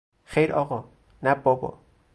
خیر آقا!، نه بابا!